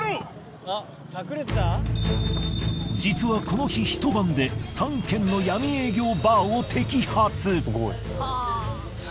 実はこの日一晩で３軒のヤミ営業バーを摘発。